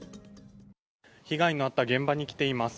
被害のあった現場に来ています。